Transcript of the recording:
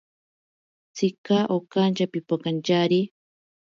Tsika okantya pipokantyari.